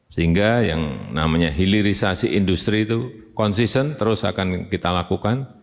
sehingga yang namanya hilirisasi industri itu konsisten terus akan kita lakukan